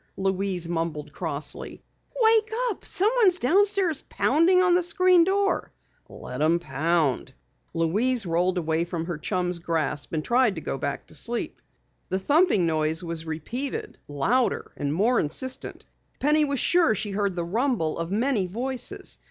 Louise mumbled crossly. "Wake up! Someone's downstairs pounding on the screen door." "Let 'em pound." Louise rolled away from her chum's grasp and tried to go back to sleep. The thumping noise was repeated, louder and more insistent. Penny was sure she heard the rumble of many voices.